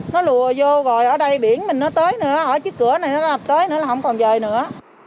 nó lùa vô rồi ở đây biển mình nó tới nữa ở trước cửa này nó tới nữa là không còn dời nữa